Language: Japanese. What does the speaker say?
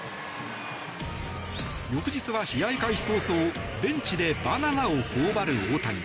翌日は、試合開始早々ベンチでバナナを頬張る大谷。